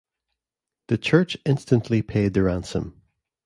The Church instantly paid the ransom.